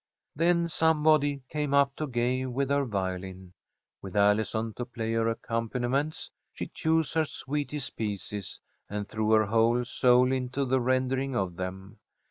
Then somebody came up to Gay with her violin. With Allison to play her accompaniments, she chose her sweetest pieces, and threw her whole soul into the rendering of them.